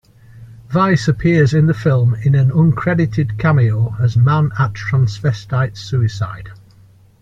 Weiss appears in the film in an uncredited cameo as man at transvestite's suicide.